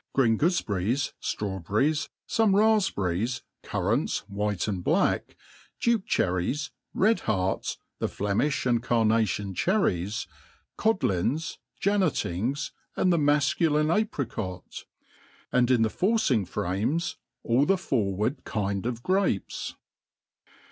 Green goofeberries, ftrawberries, fome rafpberries, currants white and black; duke cherries, red hearts, the Flemifli and carnation cherries, codlins, jannatings, and the mafculine apri cot. And in the forcing frames all the forward kind of grapes.